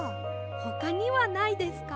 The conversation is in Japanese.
ほかにはないですか？